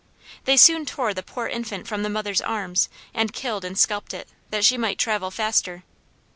They soon tore the poor infant from the mother's arms and killed and scalped it, that she might travel faster.